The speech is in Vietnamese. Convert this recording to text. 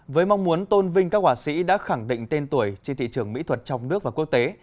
với mong muốn tôn vinh các họa sĩ đã khẳng định tên tuổi trên thị trường mỹ thuật trong nước và quốc tế